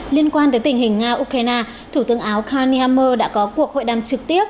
liên quan tới tình hình nga ukraine thủ tướng áo kniyahmo đã có cuộc hội đàm trực tiếp